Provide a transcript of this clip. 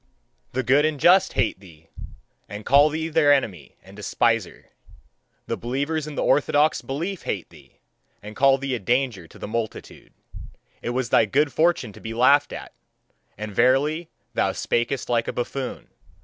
The good and just hate thee, and call thee their enemy and despiser; the believers in the orthodox belief hate thee, and call thee a danger to the multitude. It was thy good fortune to be laughed at: and verily thou spakest like a buffoon.